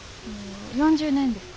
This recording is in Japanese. ４０年です。